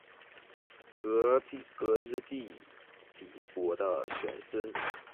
耿弇之弟耿国的玄孙。